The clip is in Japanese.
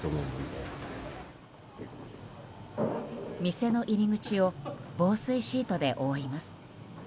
店の入り口を防水シートで覆います。